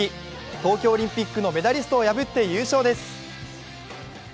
東京オリンピックのメダリストを破って優勝です。